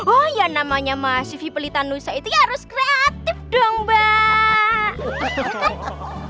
oh iya namanya si vipelitannusa itu harus kreatif dong mbak